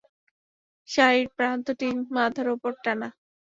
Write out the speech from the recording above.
শাড়ির প্রান্তটি মাথার উপর টানা।